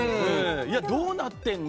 どうなってるの？